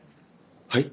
はい？